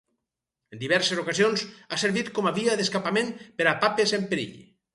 En diverses ocasions ha servit com a via d'escapament per a papes en perill.